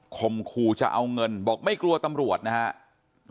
คมครูจะเอาเงินบอกไม่กลัวตำรวจนะฮะ